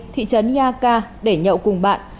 thị trấn ia ca để nhậu cùng bạn